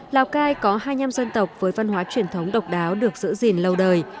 lào cai có hai mươi năm dân tộc với văn hóa truyền thống độc đáo được giữ gìn lâu đời